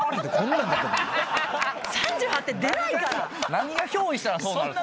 何がひょう依したらそうなるのか。